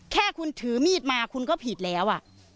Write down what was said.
แค่คุณถือมีดมาคุณก็ผิดแล้ว